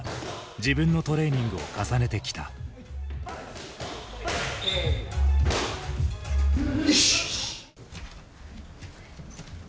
自分のトレーニングを重ねてきた。ＯＫ！